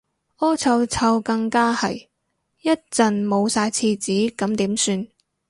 屙臭臭更加係，一陣冇晒廁紙咁點算